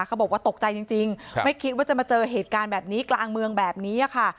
เขาบอกว่าตกใจจริงไม่คิดว่าจะมาเจอเหตุการณ์แบบนี้กลางเมืองแบบนี้ค่ะ